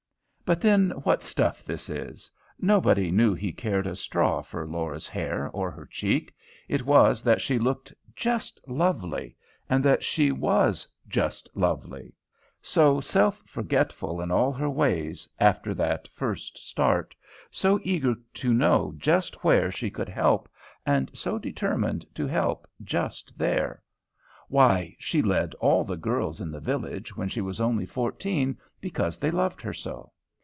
But then what stuff this is, nobody knew he cared a straw for Laura's hair or her cheek, it was that she looked "just lovely," and that she was "just lovely," so self forgetful in all her ways, after that first start, so eager to know just where she could help, and so determined to help just there. Why! she led all the girls in the village, when she was only fourteen, because they loved her so.